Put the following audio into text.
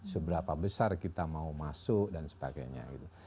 seberapa besar kita mau masuk dan sebagainya gitu